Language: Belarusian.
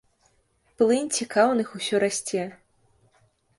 Плынь цікаўных усё расце.